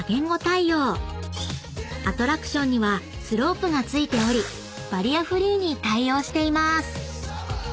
［アトラクションにはスロープが付いておりバリアフリーに対応しています］